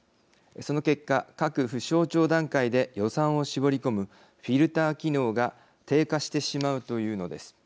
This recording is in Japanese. その結果各府省庁段階で予算を絞り込むフィルター機能が低下してしまうというのです。